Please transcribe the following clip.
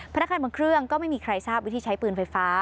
พนักงานบนเครื่องก็ไม่มีใครทราบวิธีใช้ปืนไฟฟ้า